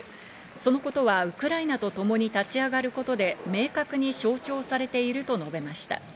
そのことはウクライナとともに立ち上がることで明確に象徴されていると述べました。